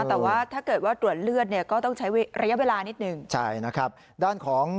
แต่ว่าถ้าเกิดว่าตรวจเลือดก็ต้องใช้ระยะเวลานิดนึง